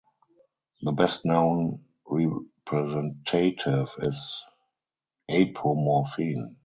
The best known representative is apomorphine.